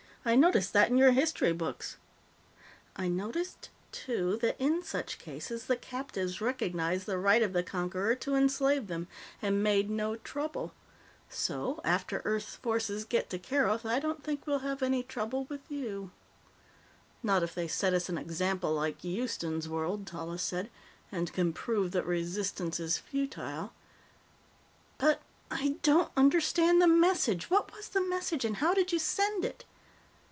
I noticed that in your history books. I noticed, too, that in such cases, the captives recognized the right of the conqueror to enslave them, and made no trouble. So, after Earth's forces get to Keroth, I don't think we'll have any trouble with you." "Not if they set us an example like Houston's World," Tallis said, "and can prove that resistance is futile. But I don't understand the message. What was the message and how did you send it?"